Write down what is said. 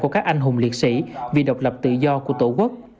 của các anh hùng liệt sĩ vì độc lập tự do của tổ quốc